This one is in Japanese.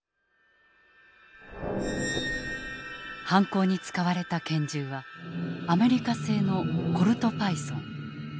犯行に使われたけん銃はアメリカ製のコルトパイソン。